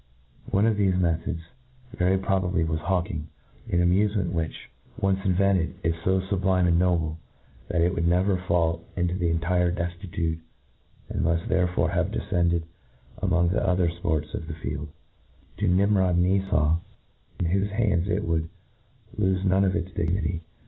Ofie of thefe methods, very pro * bably, was hawking — an amufement which, once invented, is fo fiibUme and noble, that it would never fall into entire defuetude, and muft there fore have defcended, among the other fports of the field, to Nimrod and Efau, in whofe hands it would lofe none of its dignity.